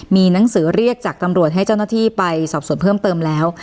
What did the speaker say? มีหนังสือเรียกจากตำรวจให้เจ้าหน้าที่ไปสอบส่วนเพิ่มเติมแล้ว